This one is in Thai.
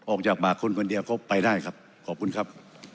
ออกจากปากคนคนเดียวก็ไปได้ครับขอบคุณครับ